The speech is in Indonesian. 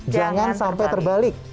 jangan sampai terbalik